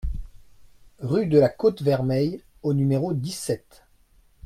Rue de la Côte Vermeille au numéro dix-sept